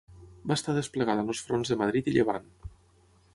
Va estar desplegada en els fronts de Madrid i Llevant.